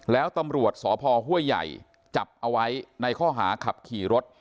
แล้วตำรวจสพห้วยใหญ่จับเอาไว้ในข้อหาขับขี่รถ